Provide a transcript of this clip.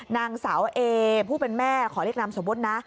นางสาวเอผู้เป็นแม่ขอเรียกนามสมมุตินะ